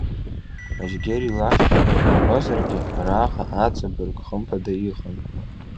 Ажьгьери лафшәа иҳәозаргьы, араҟа аҵабырг хымԥада иҟан.